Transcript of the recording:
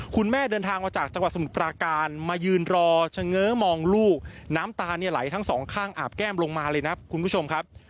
คุณแม่เดินทางมาจากจังหวัดสมุทรปราการมายืนรอเฉง้อมองลูกน้ำตาเนี่ยไหลทั้งสองข้างอาบแก้มลงมาเลยนะคุณผู้ชมครับ